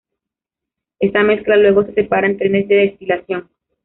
Esa mezcla luego se separa en trenes de destilación.